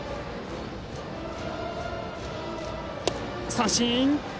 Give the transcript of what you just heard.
三振！